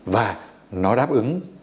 và nó đáp ứng đúng cái yêu cầu